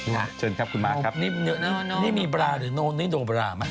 โนบร้าเซ็กซี่เบา